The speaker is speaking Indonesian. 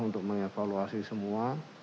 untuk mengevaluasi semua